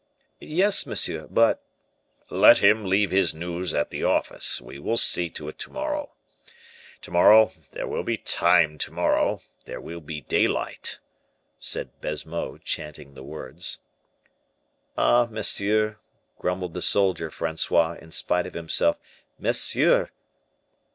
"Yes, monsieur, but " "Let him leave his news at the office; we will see to it to morrow. To morrow, there will be time to morrow; there will be daylight," said Baisemeaux, chanting the words. "Ah, monsieur," grumbled the soldier Francois, in spite of himself, "monsieur."